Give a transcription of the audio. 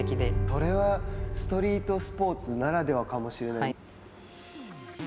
それはストリートスポーツならではかもしれない。